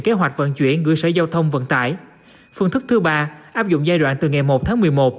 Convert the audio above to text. kế hoạch vận chuyển gửi sở giao thông vận tải phương thức thứ ba áp dụng giai đoạn từ ngày một tháng